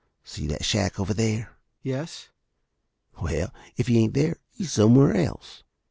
"See that shack over there?" "Yes." "Well, if he ain't there, he's somewhere else."